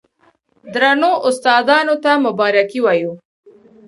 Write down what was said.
درنو استادانو ته مبارکي وايو،